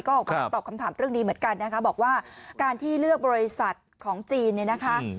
ก็ออกมาตอบคำถามเรื่องนี้เหมือนกันนะคะบอกว่าการที่เลือกบริษัทของจีนเนี่ยนะคะ